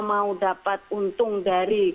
mau dapat untung dari